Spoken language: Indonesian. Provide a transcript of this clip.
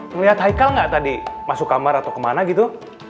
ngeliat haikal gak tadi masuk kamar atau kemana gitu